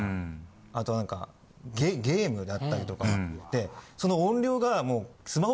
あとなんかゲームだったりとかでその。